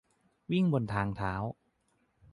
- วิ่งบนทางเท้า